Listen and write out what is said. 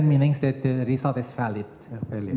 maksudnya hasilnya valid